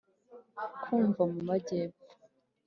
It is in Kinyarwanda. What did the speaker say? kumva mu majyepfo.